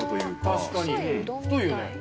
確かに太いよね。